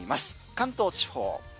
関東地方。